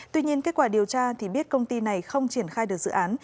tuy nhiên kết quả điều tra thì biết công ty này không triển khai được dự án